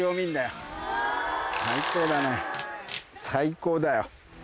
最高だよ。